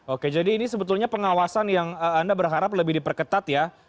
oke jadi ini sebetulnya pengawasan yang anda berharap lebih diperketat ya